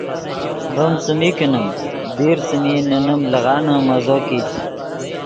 ڤیم څیمی کینیم دیر څیمی نے نیم لیغان مزو کیت